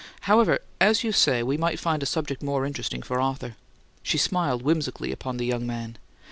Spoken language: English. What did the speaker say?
However, as you say, we might find a subject more interesting for Arthur." She smiled whimsically upon the young man.